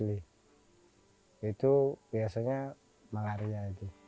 rusli itu biasanya malaria